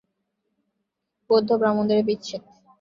বৌদ্ধ ও ব্রাহ্মণের এই বিচ্ছেদই ভারতবর্ষের অবনতির কারণ।